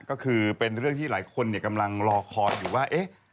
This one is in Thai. ก็คือเป็นเรื่องที่หลายคนกำลังรอคอยอยู่ว่า